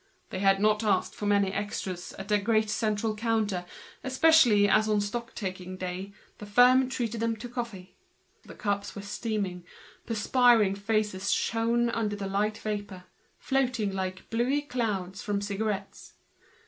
They had not asked for many extras at the great central counter, the more so as the firm treated them to coffee that day. The cups were steaming, perspiring faces shone under the light vapors, floating like the blue clouds from cigarettes.